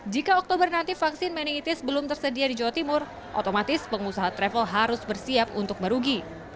jika oktober nanti vaksin meningitis belum tersedia di jawa timur otomatis pengusaha travel harus bersiap untuk merugi